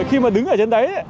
khi mà đứng ở trên đấy